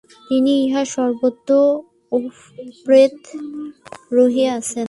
তিনি ইহার সর্বত্র ওতপ্রোত রহিয়াছেন।